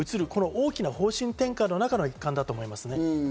大きな方針転換の中の一環だと思います。